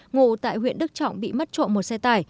ngủ tại huyện đức trọng bị mất trộm một xe tải